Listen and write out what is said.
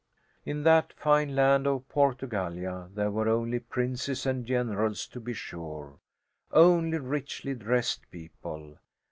In that fine land of Portugallia there were only princes and generals, to be sure only richly dressed people.